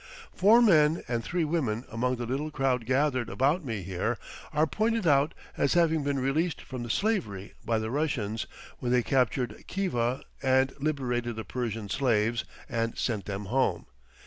Four men and three women among the little crowd gathered about me here, are pointed out as having been released from slavery by the Russians, when they captured Khiva and liberated the Persian slaves and sent them home.